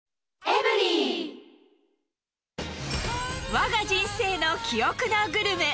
わが人生の記憶のグルメ。